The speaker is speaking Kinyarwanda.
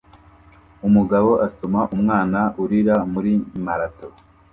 Umugabo asoma umwana urira muri marato